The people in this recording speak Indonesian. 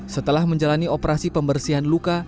setelah menjalani operasi pembersihan luka